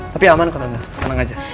tapi aman kok tante tenang aja